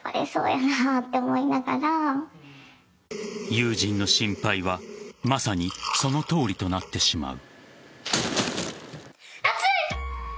友人の心配はまさにそのとおりとなってしまう。